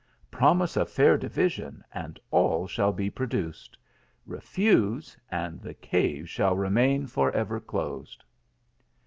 Promise a fair division, and all shall be produced ; refuse, and the cave shall remain lor ever closed.